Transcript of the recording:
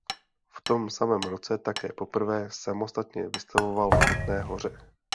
V tom samém roce také poprvé samostatně vystavoval v Kutné Hoře.